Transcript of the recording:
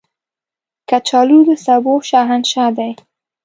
کچالو د سبو شهنشاه دی